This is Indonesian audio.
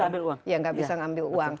teman teman kita sudah nggak bisa ambil uang